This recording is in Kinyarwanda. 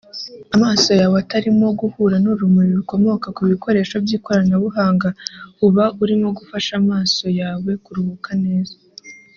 amaso yawe atarimo guhura n’urumuri rukomoka ku bikoresho by’ikoranabuhanga uba urimo gufasha amaso yawe kuruhuka neza